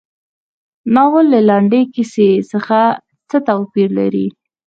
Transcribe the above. ناول له لنډې کیسې څخه څه توپیر لري.